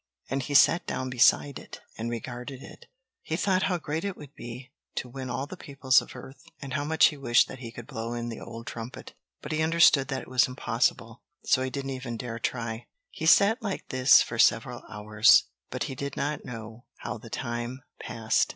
and he sat down beside it and regarded it. He thought how great it would be to win all the peoples of earth, and how much he wished that he could blow in the old trumpet. But he understood that it was impossible, so he didn't even dare try. He sat like this for several hours, but he did not know how the time passed.